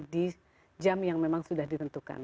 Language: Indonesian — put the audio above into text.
di jam yang memang sudah ditentukan